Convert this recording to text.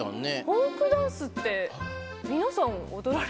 フォークダンスって皆さん。